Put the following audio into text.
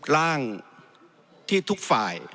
ร่างที่ทุกฝ่าย